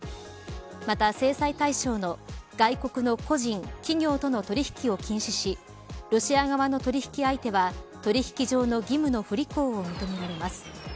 また制裁対象の外国の個人、企業との取引を禁止しロシア側の取引相手は取引上の義務の不履行を認められます。